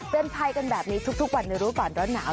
เต้นไพร์กันแบบนี้ทุกวันในรุ่นก่อนร้อนหนาว